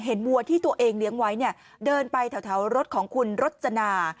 วัวที่ตัวเองเลี้ยงไว้เนี่ยเดินไปแถวรถของคุณรจนา